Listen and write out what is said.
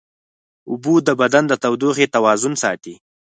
اوبه د بدن د تودوخې توازن ساتي